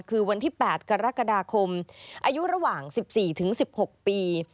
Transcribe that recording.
คือวันที่๘กรกฎาคมอายุระหว่าง๑๔๑๖ปี